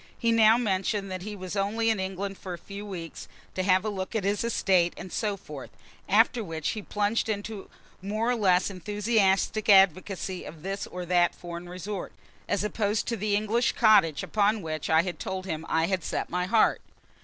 He now mentioned that he was only in England for a few weeks, to have a look at his estate, and so forth; after which he plunged into more or less enthusiastic advocacy of this or that foreign resort, as opposed to the English cottage upon which I told him I had set my heart.